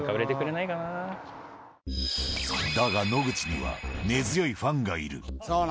だが、野口には根強いファンがいる。